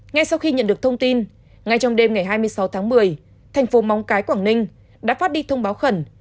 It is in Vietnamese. ngay sau khi nhận được thông tin ngay trong đêm ngày hai mươi sáu tháng một mươi thành phố móng cái quảng ninh đã phát đi thông báo khẩn